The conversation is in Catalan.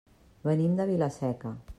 Venim de Vila-seca.